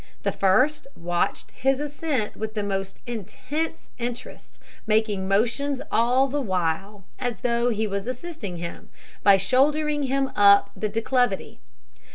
The first watched his ascent with the most intense interest, making motions all the while as though he was assisting him, by shouldering him up the declivity.